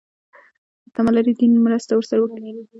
تمه لري دین مرسته وکړي.